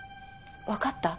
わかった？